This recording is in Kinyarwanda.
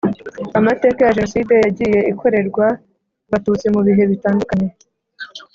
amateka ya jenoside yagiye ikorerwa abatutsi mu bihe bitandukanye